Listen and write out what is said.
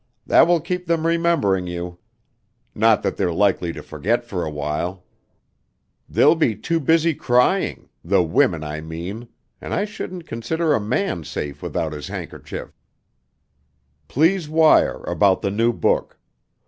That will keep them remembering you! Not that they're likely to forget for awhile. They'll be too busy crying the women, I mean, and I shouldn't consider a man safe without his handkerchief. Please wire about the new book.